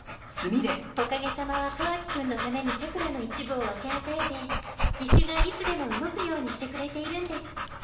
火影様はカワキくんのためにチャクラの一部を分け与えて義手がいつでも動くようにしてくれているんです。